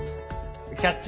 「キャッチ！